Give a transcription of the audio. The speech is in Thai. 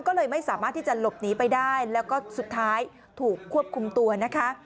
ก็เลยไม่สามารถที่จะหลบหนีไปได้แล้วก็สุดท้ายถูกควบคุมตัวนะคะ